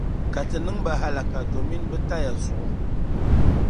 Ka ti niŋ ba hallaka domin bɛ taya zuɣu.